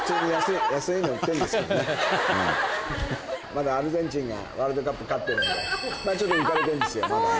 まだアルゼンチンがワールドカップ勝ってるんでちょっと浮かれてんですよまだね。